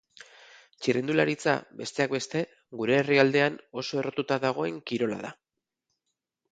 Txirrindularitza, besteak beste, gure herrialdean oso errotuta dagoen kirola da.